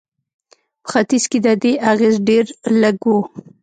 په ختیځ کې د دې اغېز ډېر لږ و.